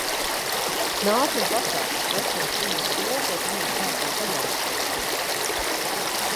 Nāc un pastāsti Flečera kungam to, ko tu man stāstīji pagajušā naktī!